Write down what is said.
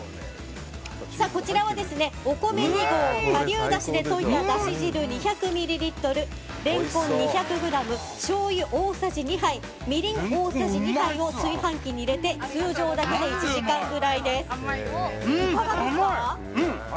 こちらはお米２合顆粒だしで溶いただし汁２００ミリリットルレンコン２００ｇしょうゆ大さじ２杯みりん大さじ２杯を炊飯器に入れて通常炊きで１時間くらいです。